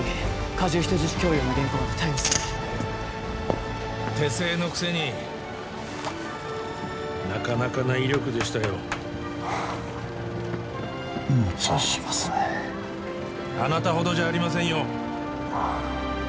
加重人質強要の現行犯で逮捕する手製のくせになかなかな威力でしたよむちゃしますねあなたほどじゃありませんよ